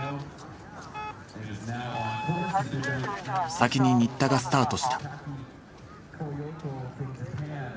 先に新田がスタートした。